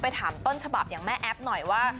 ถามต้นฉบับอย่างแม่แอ๊บหน่อยว่า